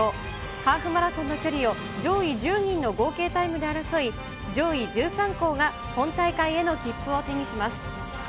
ハーフマラソンの距離を上位１０人の合計タイムで争い、上位１３校が本大会への切符を手にします。